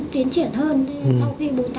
tiền chăm sóc anh